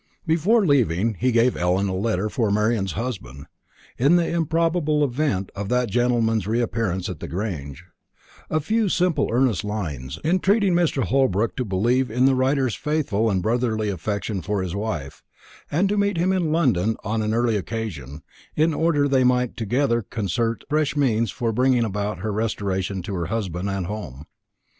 Before leaving, he gave Ellen a letter for Marian's husband, in the improbable event of that gentleman's reappearance at the Grange a few simple earnest lines, entreating Mr. Holbrook to believe in the writer's faithful and brotherly affection for his wife, and to meet him in London on an early occasion, in order that they might together concert fresh means for bringing about her restoration to her husband and home.